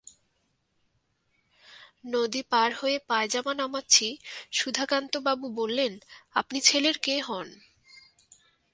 নদী পার হয়ে পায়জামা নামাচ্ছি, সুধাকান্তবাবু বললেন, আপনি ছেলের কে হন?